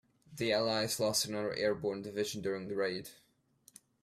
The allies lost another airborne division during the raid.